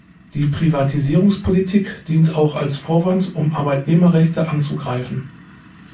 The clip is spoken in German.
Die Privatisierungspolitik dient auch als Vorwand, um Arbeitnehmerrechte anzugreifen.